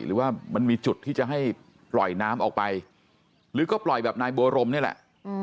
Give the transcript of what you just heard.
หรือว่ามันมีจุดที่จะให้ปล่อยน้ำออกไปหรือก็ปล่อยแบบนายบัวรมนี่แหละ